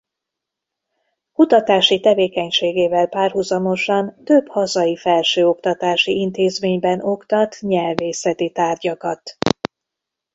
Kutatási tevékenységével párhuzamosan több hazai felsőoktatási intézményben oktat nyelvészeti tárgyakat.